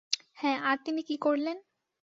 হ্যাঁ, আর তিনি কী করলেন?